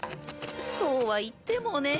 そうは言ってもねえ。